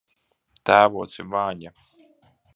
Tēvoci Vaņa!